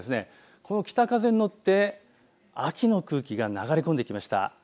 この北風に乗って秋の空気が流れ込んできました。